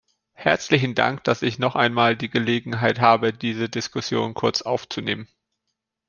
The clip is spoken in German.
Herzlichen Dank, dass ich noch einmal die Gelegenheit habe, diese Diskussion kurz aufzunehmen.